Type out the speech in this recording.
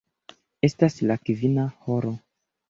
Estas la kvina horo.